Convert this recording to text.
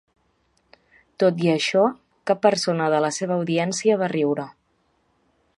Tot i això, cap persona de la seva audiència va riure.